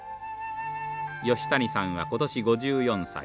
吉谷さんは今年５４歳。